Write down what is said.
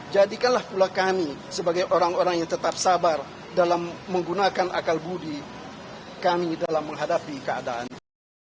jadikanlah pula kami sebagai orang orang yang tetap sabar dalam menggunakan akal budi kami dalam menghadapi keadaan